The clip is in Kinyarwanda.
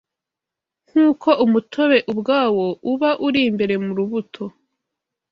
Nk’uko umutobe ubwawo uba uri imbere mu rubuto